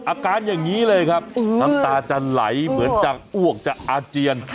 อาการอย่างนี้เลยครับน้ำตาจะไหลเหมือนจะอ้วกจะอาเจียน